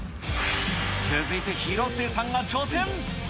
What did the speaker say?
続いて、広末さんが挑戦。